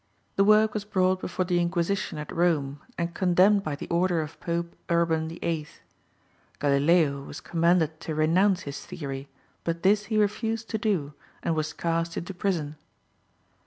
The work was brought before the Inquisition at Rome, and condemned by the order of Pope Urban VIII. Galileo was commanded to renounce his theory, but this he refused to do, and was cast into prison.